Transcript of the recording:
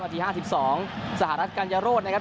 ที๕๒สหรัฐกัญญาโรธนะครับ